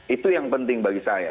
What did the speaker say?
itu yang penting bagi saya